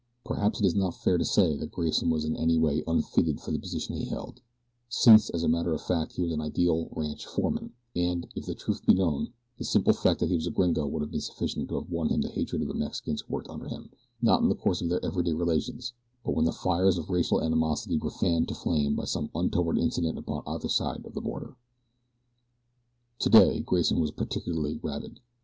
Perhaps it is not fair to say that Grayson was in any way unfitted for the position he held, since as a matter of fact he was an ideal ranch foreman, and, if the truth be known, the simple fact that he was a gringo would have been sufficient to have won him the hatred of the Mexicans who worked under him not in the course of their everyday relations; but when the fires of racial animosity were fanned to flame by some untoward incident upon either side of the border. Today Grayson was particularly rabid.